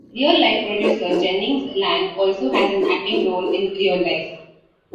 Real-life producer Jennings Lang also has an acting role in "Real Life".